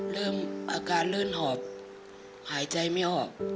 เริ่มอาการลื่นหอบหายใจไม่ออก